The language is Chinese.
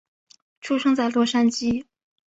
出生在洛杉矶。